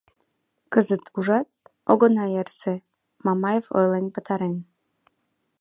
Кызыт, ужат, огына ярсе, Мамаев ойлен пытарен...